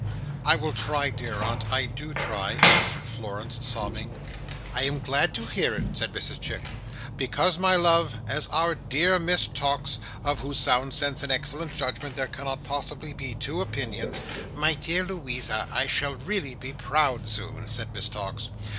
"I will try, dear aunt I do try," answered Florence, sobbing. "I am glad to hear it," said Mrs Chick, "because; my love, as our dear Miss Tox—of whose sound sense and excellent judgment, there cannot possibly be two opinions—" "My dear Louisa, I shall really be proud, soon," said Miss Tox.